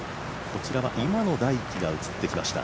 こちらは今野大喜が映ってきました